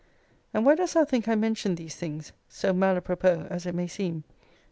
And why dost thou think I mention these things, so mal a propos, as it may seem!